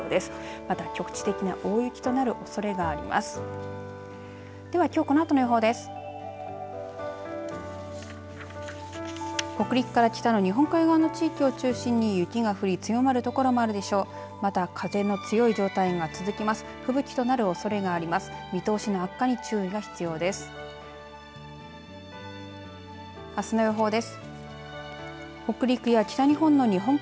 また局地的な大雪となるおそれがあります。